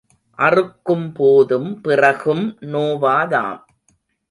அறுக்கும்போதும் பிறகும் நோவாதாம்.